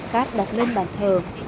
cát đặt lên cây này là nắm cắt hoàng sa